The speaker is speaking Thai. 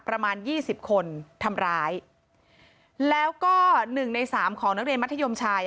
ประมาณ๒๐คนทำร้ายแล้วก็๑ใน๓ของนักเรียนมัธยมชาย